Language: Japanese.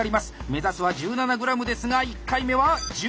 目指すは１７ｇですが１回目は１６ｇ。